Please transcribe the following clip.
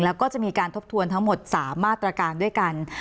แล้วก็จะมีการทบทวนทั้งหมด๓มาตรการด้วยกัน